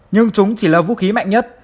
nhưng chúng chỉ là vũ khí mạnh nhất